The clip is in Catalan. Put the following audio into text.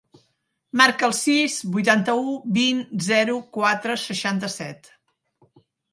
Marca el sis, vuitanta-u, vint, zero, quatre, seixanta-set.